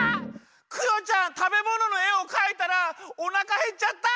クヨちゃんたべもののえをかいたらおなかへっちゃった！